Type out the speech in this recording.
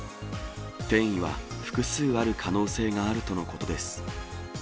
転移は複数ある可能性があるとのことです。